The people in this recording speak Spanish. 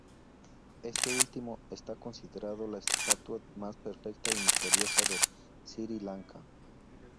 Este último está considerado la estatua más perfecta y misteriosa de Sri Lanka.